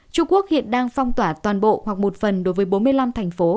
trung quốc hiện đang phong tỏa toàn bộ hoặc một phần đối với bốn mươi năm thành phố